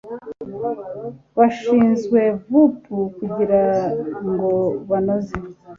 bashinzwe vup kugira ngo banoze